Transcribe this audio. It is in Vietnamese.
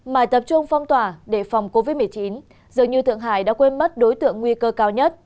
mà tập trung phong tỏa để phòng covid một mươi chín dường như thượng hải đã quên mất đối tượng nguy cơ cao nhất